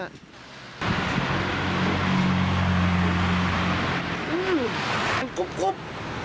อื้อกุบกุบ